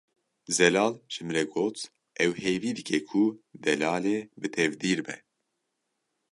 Zelal ji min re got ew hêvî dike ku Delalê bi tevdîr be.